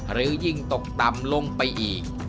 หรือยิ่งตกต่ำลงไปอีก